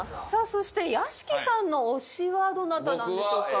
そして屋敷さんの推しはどなたなんでしょうか？